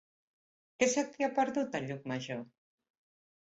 Què se t'hi ha perdut, a Llucmajor?